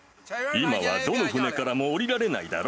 今はどの船からも降りられないだろ。